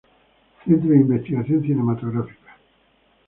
Centro de Investigación Cinematográfica.